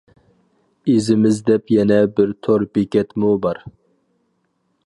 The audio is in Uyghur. ئىزىمىز دەپ يەنە بىر تور بېكەتمۇ بار.